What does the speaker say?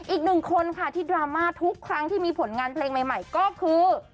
อีกหนึ่งคนค่ะที่ดราม่าทุกครั้งที่มีผลงานเพลงใหม่ก็คือ